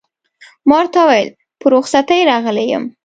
ما ورته وویل: په رخصتۍ راغلی یم.